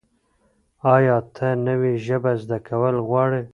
ایا ته نوې ژبه زده کول غواړې؟